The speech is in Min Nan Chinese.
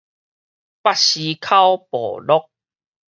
北絲鬮部落